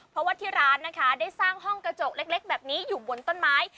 เพราะว่าที่ร้านนะคะได้สร้างห้องกระจกเล็กแบบนี้อยู่บนต้นไม้